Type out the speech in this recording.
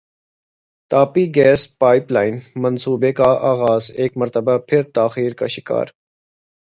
Tapi gas pipeline منصوبے کا اغاز ایک مرتبہ پھر تاخیر کا شکار